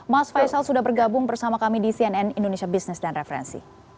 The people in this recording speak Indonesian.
mas faisal sudah bergabung bersama kami di cnn indonesia business dan referensi